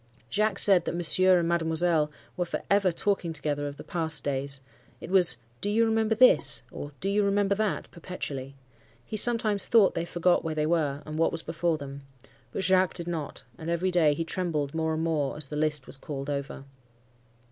Jacques said that Monsieur and Mademoiselle were for ever talking together of the past days,—it was 'Do you remember this?' or, 'Do you remember that?' perpetually. He sometimes thought they forgot where they were, and what was before them. But Jacques did not, and every day he trembled more and more as the list was called over.